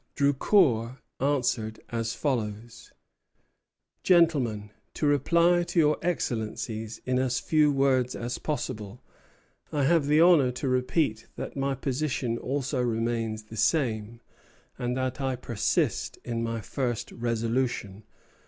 Drucour answered as follows: Gentlemen, To reply to your Excellencies in as few words as possible, I have the honor to repeat that my position also remains the same, and that I persist in my first resolution.